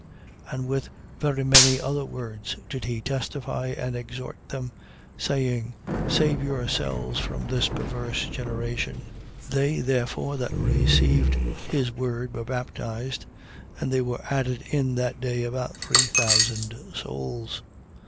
And with very many other words did he testify and exhort them, saying: Save yourselves from this perverse generation. 2:41. They therefore that received his word were baptized: and there were added in that day about three thousand souls.